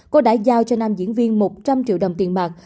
cô đã giao cho nam diễn viên một trăm linh triệu đồng tiền mạc